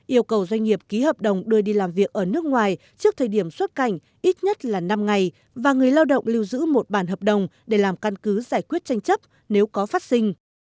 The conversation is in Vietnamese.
yêu cầu doanh nghiệp ký hợp đồng đưa đi làm việc ở nước ngoài trước thời điểm xuất cảnh ít nhất là năm ngày và người lao động lưu giữ một bản hợp đồng để làm căn cứ giải quyết tranh chấp nếu có phát sinh